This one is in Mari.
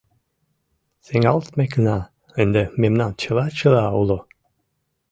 Сеҥалтмекына, ынде мемнан чыла-чыла уло!